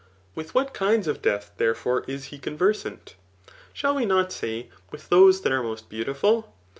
With ^at kinds of death, therefore, is he conversant ? Shall we not say, ysiA those that are most beautiful